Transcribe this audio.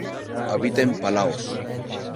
Habita en Palaos.